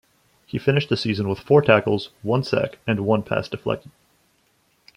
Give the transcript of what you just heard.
He finished the season with four tackles, one sack and one pass deflected.